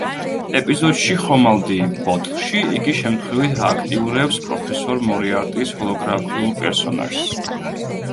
ეპიზოდში „ხომალდი ბოთლში“ იგი შემთხვევით ააქტიურებს პროფესორ მორიარტის ჰოლოგრაფიულ პერსონაჟს.